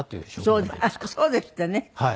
そうですってね。